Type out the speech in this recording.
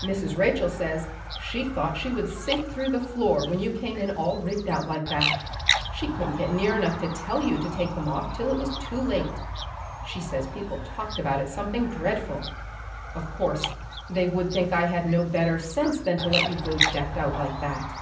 Mrs. Rachel says she thought she would sink through the floor when she saw you come in all rigged out like that. She couldn't get near enough to tell you to take them off till it was too late. She says people talked about it something dreadful. Of course they would think I had no better sense than to let you go decked out like that."